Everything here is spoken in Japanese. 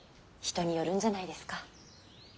人によるんじゃないですか。